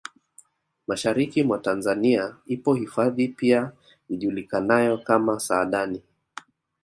Mashariki mwa Tanzania ipo hifadhi pia ijulikanayo kama Saadani